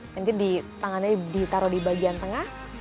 nanti di tangannya ditaruh di bagian tengah